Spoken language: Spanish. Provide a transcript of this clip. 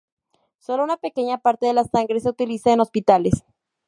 Sólo una pequeña parte de la sangre se utiliza en Hospitales.